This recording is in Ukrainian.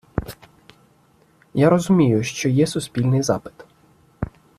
Я розумію, що є суспільний запит.